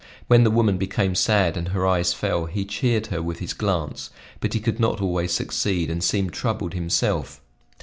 When the woman became sad and her eyes fell, he cheered her with his glance; but he could not always succeed, and seemed troubled himself.